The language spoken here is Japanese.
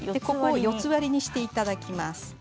４つ割りにしていただきます。